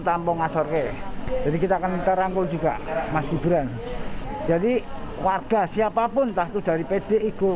tampung asorke jadi kita akan terangkul juga masih berani jadi warga siapapun takut dari pd igo